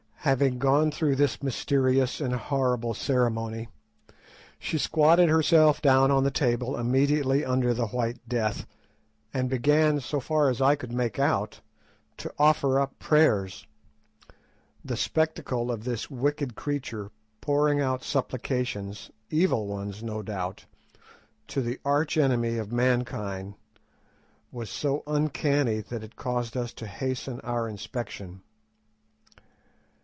Having gone through this mysterious and horrible ceremony, she squatted herself down on the table immediately under the White Death, and began, so far as I could make out, to offer up prayers. The spectacle of this wicked creature pouring out supplications, evil ones no doubt, to the arch enemy of mankind, was so uncanny that it caused us to hasten our inspection.